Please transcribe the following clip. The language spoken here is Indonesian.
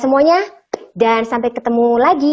semuanya dan sampai ketemu lagi